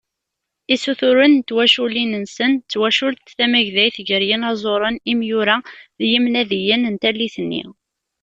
Isuturen n twaculin-nsen d twacult tamagdayt gar yinaẓuren, imyura d yimnadiyen n tallit-nni.